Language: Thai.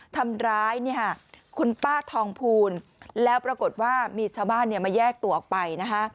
ทำร้ายคุณป้าทองภูลแล้วปรากฏว่ามีชาวบ้านมาแยกตัวออกไปนะคะ